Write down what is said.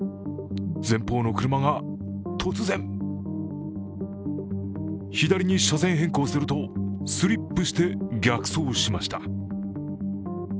前方の車が突然左に車線変更するとスリップして逆走しました。